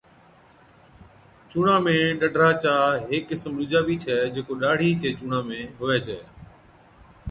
چُونڻا ۾ ڏَدرا چا هيڪ قِسم ڏُوجا بِي ڇَي جڪو ڏاڙهِي چي چُونڻا ۾ هُوَي ڇَي۔